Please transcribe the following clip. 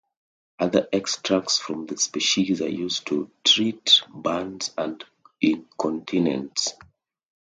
Other extracts from the species are used to treat burns and incontinence.